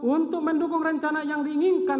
untuk mendukung rencana yang diinginkan